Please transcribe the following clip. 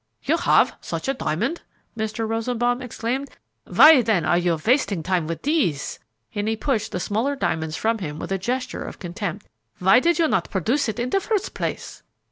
"You have such a diamond!" Mr. Rosenbaum exclaimed; "why then are you wasting time with these?" and he pushed the smaller diamonds from him with a gesture of contempt. "Why did you not produce it in the first place?"